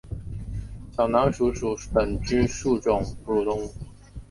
小囊鼠属等之数种哺乳动物。